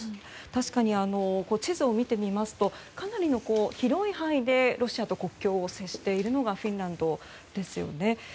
確かに地図を見てみますとかなりの広い範囲でロシアと国境を接しているのがフィンランドですよね。